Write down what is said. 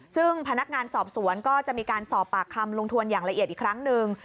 ซึ่งพนักงานสอบสวนก็จะมีการสอบปากคำลุงทวนอย่างละเอียดอีกครั้งหนึ่ง